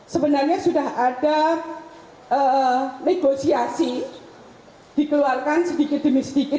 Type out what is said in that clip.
sebenarnya sudah ada negosiasi dikeluarkan sedikit demi sedikit